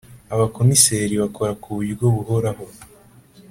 Abakomiseri bakora ku buryo buhoraho.